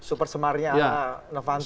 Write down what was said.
super semarnya pak novanto